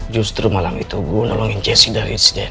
justru malam itu gue nolongin jesse dari si dennis